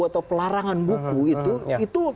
atau pelarangan buku itu